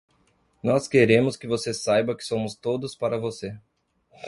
Nós queremos que você saiba que somos todos para você.